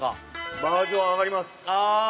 バージョン上がります。